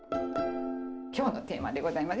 今日のテーマでございます。